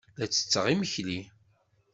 La ttetteɣ imekli.